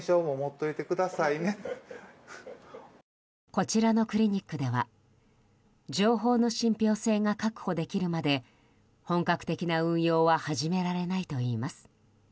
こちらのクリニックでは情報の信ぴょう性が確保できるまで本格的な運用は始められないといいます。